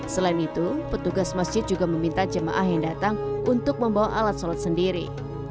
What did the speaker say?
selain itu petugas masjid juga meminta jemaah yang datang untuk membawa alat sholat sendiri